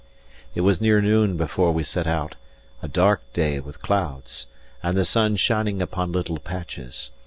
It was near noon before we set out; a dark day with clouds, and the sun shining upon little patches.